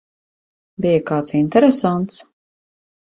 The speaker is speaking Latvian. Bija kāds interesants?